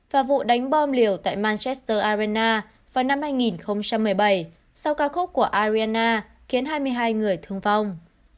và vụ đánh bom liều tại manchester arena vào năm hai nghìn một mươi bảy sau ca khúc của arina khiến hai mươi hai người thương vong